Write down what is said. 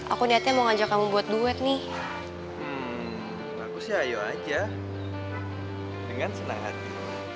aku sih ayo aja dengan senang hati